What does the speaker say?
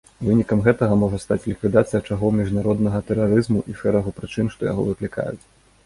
Вынікам гэтага можа стаць ліквідацыя ачагоў міжнароднага тэрарызму і шэрагу прычын, што яго выклікаюць.